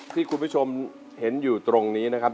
ที่คุณผู้ชมเห็นอยู่ตรงนี้นะครับ